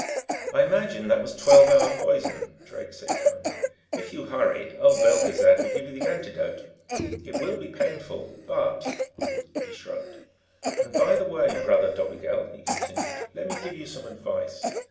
"I imagine that was twelve hour poison," Drake said kindly. "If you hurry, old Belgezad will give you the antidote. It will be painful, but " He shrugged. "And by the way, Brother Dobigel," he continued, "let me give you some advice.